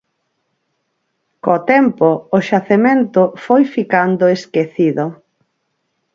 Co tempo o xacemento foi ficando esquecido.